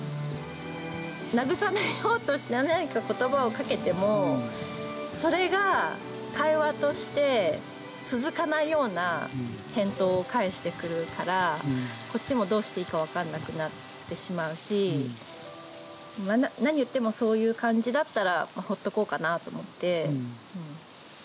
慰めようとして、何かことばをかけても、それが会話として続かないような返答を返してくるから、こっちもどうしていいか分かんなくなってしまうし、何を言ってもそういう感じだったら、ほっとこうかなと思って。